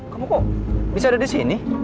kamu kok bisa ada di sini